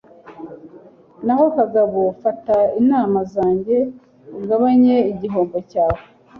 Naho Kagabo, fata inama zanjye ugabanye igihombo cyawe